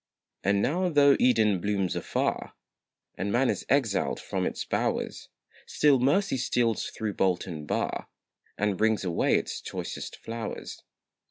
And now, though Eden blooms afar, And man is exiled from its bowers, Still mercy steals through bolt and bar, And brings away its choicest flowers.